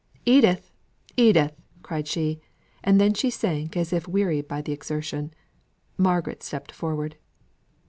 "Edith! Edith!" cried she; and then she sank as if wearied by the exertion. Margaret stepped forward.